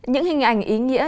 những hình ảnh ý nghĩa